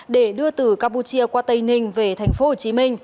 để đưa từ campuchia qua tây ninh về tp hcm